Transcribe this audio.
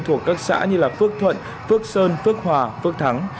thuộc các xã như phước thuận phước sơn phước hòa phước thắng